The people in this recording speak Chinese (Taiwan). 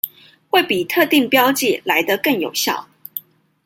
會比特定標記來得更有效